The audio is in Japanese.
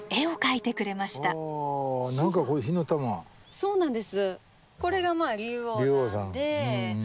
そうなんです。